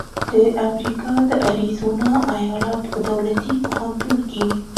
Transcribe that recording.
د امریکا د اریزونا ایالت په دولتي پوهنتون کې